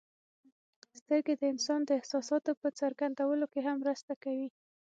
سترګې د انسان د احساساتو په څرګندولو کې هم مرسته کوي.